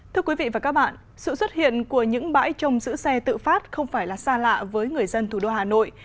thưa quý vị và các bạn sự xuất hiện của những bãi trong giữ xe tự phát không phải là xa lạ với người dân thủ đô hà nội